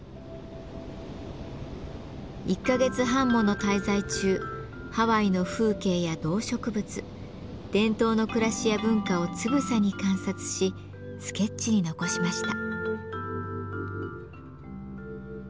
１か月半もの滞在中ハワイの風景や動植物伝統の暮らしや文化をつぶさに観察しスケッチに残しました。